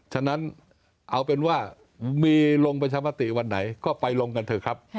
ฉะนั้นเอาเป็นว่ามีลงประชามติวันไหนก็ไปลงกันเถอะครับ